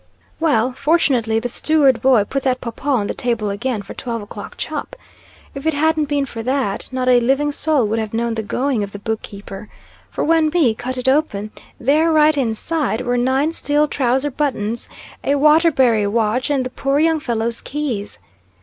"Well! Fortunately the steward boy put that paw paw on the table again for twelve o'clock chop. If it hadn't been for that, not a living soul would have known the going of the book keeper. For when B cut it open, there, right inside it, were nine steel trouser buttons, a Waterbury watch, and the poor young fellow's keys.